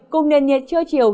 cùng nền nhiệt chưa chiều